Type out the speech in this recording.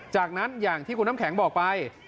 จากนั้นอย่างที่คุณน้ำแข็งบอกไป